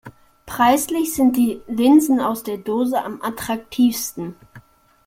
Preislich sind die Linsen aus der Dose am attraktivsten.